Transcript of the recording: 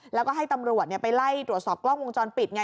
แล้วก็ให้ตำรวจไปไล่ตรวจสอบกล้องวงจรปิดไง